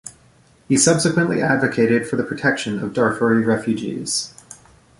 He subsequently advocated for the protection of Darfuri refugees.